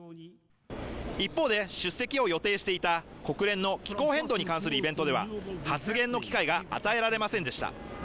一方で出席を予定していた国連の気候変動に関するイベントでは発言の機会が与えられませんでした